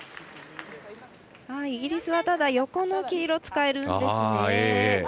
イギリスはただ、横の黄色使えるんですね。